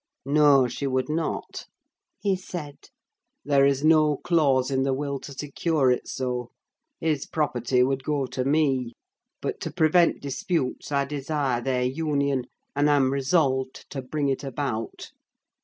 "No, she would not," he said. "There is no clause in the will to secure it so: his property would go to me; but, to prevent disputes, I desire their union, and am resolved to bring it about."